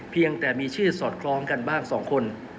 เพียงแต่มีชื่อสอดคล้องกันบ้าง๒คน